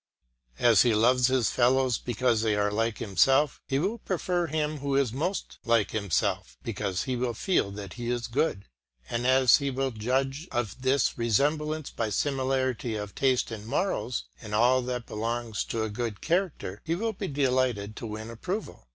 As he loves his fellows because they are like himself, he will prefer him who is most like himself, because he will feel that he is good; and as he will judge of this resemblance by similarity of taste in morals, in all that belongs to a good character, he will be delighted to win approval.